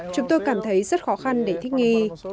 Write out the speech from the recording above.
chúng tôi cảm thấy rất khó khăn để thích nghi